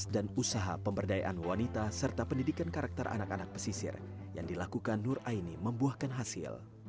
bisa mendapat wawasan adanya sekolah percaya diri ini